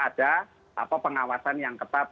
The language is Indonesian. jadi tanpa ada pengawasan yang ketat